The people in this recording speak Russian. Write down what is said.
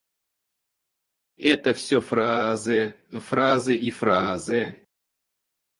Это всё фразы, фразы и фразы!